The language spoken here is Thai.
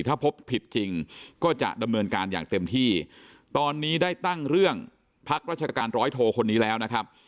ถ้าพบผิดจริงก็จะดำเนินการอย่างเต็มที่ตอนนี้ได้ตั้งเรื่องพักราชการร้อยโทคนนี้แล้วนะครับ